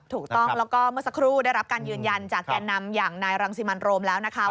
ถูกต้องแล้วก็เมื่อสักครู่ได้รับการยืนยันจากแก่นำอย่างนายรังสิมันโรมแล้วนะคะ